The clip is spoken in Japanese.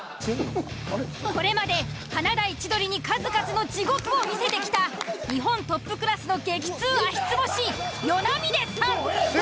これまで華大千鳥に数々の地獄を見せてきた日本トップクラスの激痛足つぼ師與那嶺さん。